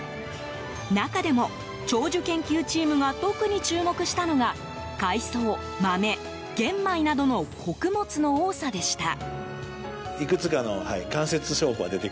中でも、長寿研究チームが特に注目したのが海藻、豆、玄米などの穀物の多さでした。